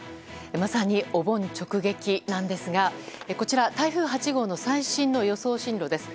まさに、お盆直撃なんですがこちら台風８号の最新の予想進路です。